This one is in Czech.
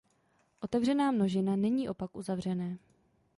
Otevřená množina není opak uzavřené.